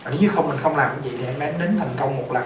nếu như mình không làm như vậy thì em bé nó nín thành công một lần